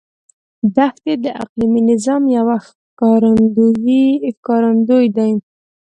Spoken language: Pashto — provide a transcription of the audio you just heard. دښتې د اقلیمي نظام یو ښکارندوی دی.